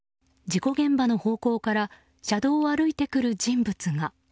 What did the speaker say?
事故現場の方向から車道を歩いてくる人物が。